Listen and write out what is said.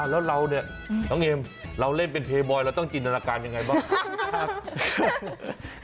แล้วเราเนี่ยน้องเอมเราเล่นเป็นเทบอยเราต้องจินตนาการยังไงบ้าง